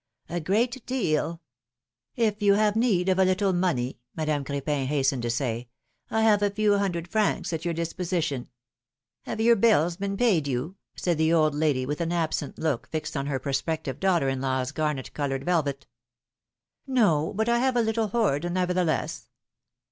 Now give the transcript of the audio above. great deal !" If you have need of a little money," Madame Cr^pin hastened to say, I have a few hundred francs at your disposition." ^^Have your bills been paid you?" said the old lady with an absent look fixed on her prospective daughter in law's garnet colored velvet. 0 PHILOMi:NE^S MARRIAGES. 295 but I have a little hoard, nevertheless.